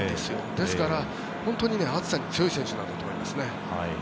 ですから、本当に暑さに強い選手なんだと思います。